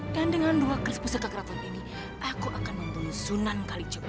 dan dengan dua keris pusaka keraton ini aku akan membunuh sunan kalijewa